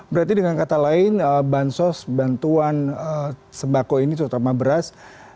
berarti dengan kata lain bantuan sebakau ini terutama beras